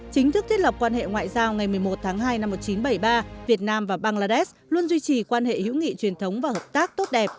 chính thức thiết lập quan hệ ngoại giao ngày một mươi một tháng hai năm một nghìn chín trăm bảy mươi ba việt nam và bangladesh luôn duy trì quan hệ hữu nghị truyền thống và hợp tác tốt đẹp